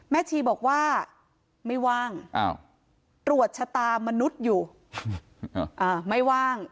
ชีบอกว่าไม่ว่างตรวจชะตามนุษย์อยู่ไม่ว่าง